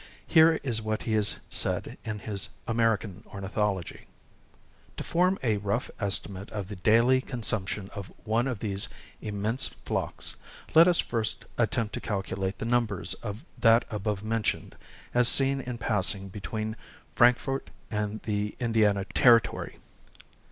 Here is what he has said in his "American Ornithology": "To form a rough estimate of the daily consumption of one of these immense flocks, let us first attempt to calculate the numbers of that above mentioned, as seen in passing between Frankfort and the Indiana territory.